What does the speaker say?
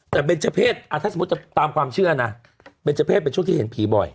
แต่เบนเจอร์เพศถ้าสมมุติจะตามความเชื่อนะเบนเจอร์เพศเป็นช่วงที่เห็นผีบ่อย